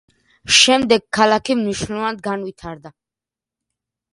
შემდეგ ქალაქი მნიშვნელოვნად განვითარდა.